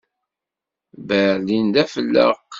Berlin d afelleq.